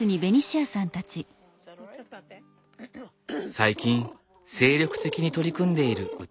最近精力的に取り組んでいる歌。